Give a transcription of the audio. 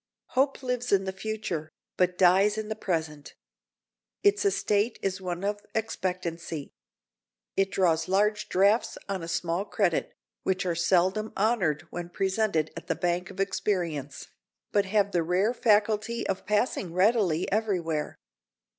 Hope lives in the future, but dies in the present. Its estate is one of expectancy. It draws large drafts on a small credit, which are seldom honored when presented at the bank of experience, but have the rare faculty of passing readily elsewhere.